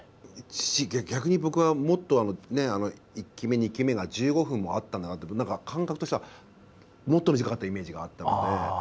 逆に僕はもっと、１機目、２機目が１５分もあったんだって感覚としてはもっと短かったイメージがあったので。